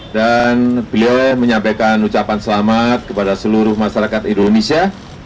dan beliau menyampaikan ucapan selamat kepada seluruh masyarakat indonesia